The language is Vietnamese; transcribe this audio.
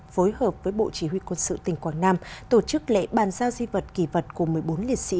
phối hợp với bộ chỉ huy quân sự tỉnh quảng nam tổ chức lễ bàn giao di vật kỳ vật của một mươi bốn liệt sĩ